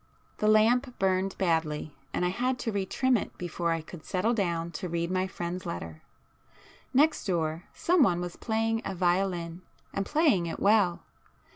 The lamp burned badly, and I had to re trim it before I could settle down to read my friend's letter. Next door some one was playing a violin, and playing it well.